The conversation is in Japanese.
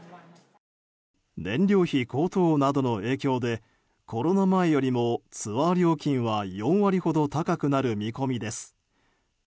燃料費高騰などの影響でコロナ前よりもツアー料金は４割ほど高くなる見込みです。